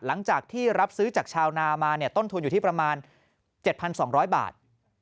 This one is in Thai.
หลังจากที่รับซื้อจากชาวนามาต้นทุนอยู่ที่ประมาณ๗๒๐๐บาท